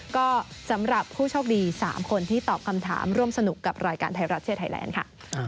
ก็สำหรับผู้โชคดี๓คนที่ตอบคำถามร่วมสนุกกับรายการไทยรัฐเชียร์ไทยแลนด์ค่ะ